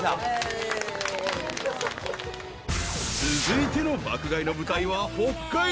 ［続いての爆買いの舞台は北海道］